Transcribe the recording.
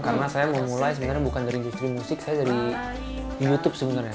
karena saya mau mulai sebenarnya bukan dari industri musik saya dari youtube sebenarnya